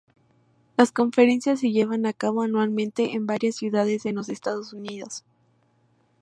Las conferencias se llevan a cabo anualmente en varias ciudades en los Estados Unidos.